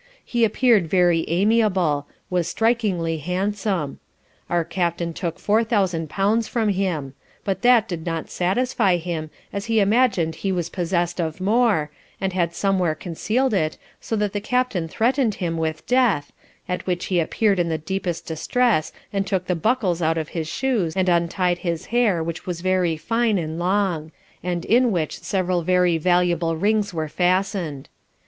He appear'd very amiable; was strikingly handsome. Our Captain took four thousand pounds from him; but that did not satisfy him, as he imagin'd he was possess'd of more, and had somewhere conceal'd it, so that the Captain threatened him with death, at which he appear'd in the deepest distress, and took the buckles out of his shoes, and untied his hair, which was very fine, and long; and in which several very valuable rings were fasten'd.